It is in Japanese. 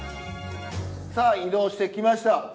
さあ移動してきました。